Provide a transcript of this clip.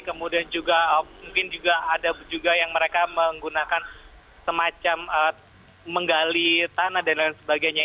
kemudian juga mungkin juga ada juga yang mereka menggunakan semacam menggali tanah dan lain sebagainya